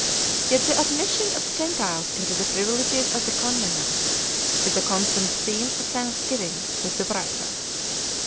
Yet the admission of the Gentiles into the privileges of the covenant is a constant theme of thanksgiving with the writer.